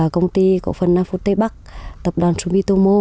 công ty cổ phần nam phú tây bắc tập đoàn sumitomo